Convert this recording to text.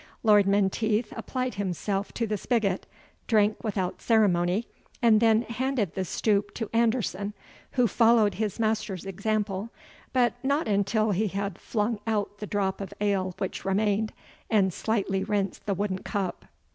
Lord Menteith applied himself to the spigot, drank without ceremony, and then handed the stoup to Anderson, who followed his master's example, but not until he had flung out the drop of ale which remained, and slightly rinsed the wooden cup.